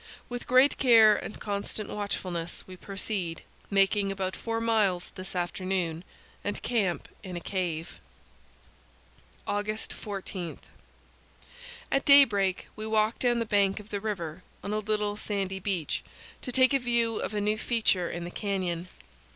With great care and constant watchfulness we proceed, making about four miles this afternoon, and camp in a cave. August 14 At daybreak we walk down the bank of the river, on a little sandy beach, to take a view of a new feature in the canyon.